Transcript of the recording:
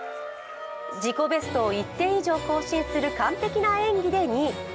自己ベストを１点以上更新する完璧な演技で２位。